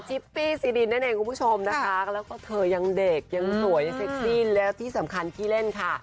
ปี้ซีดินนั่นเองคุณผู้ชมนะคะแล้วก็เธอยังเด็กยังสวยเซ็กซี่แล้วที่สำคัญขี้เล่นค่ะ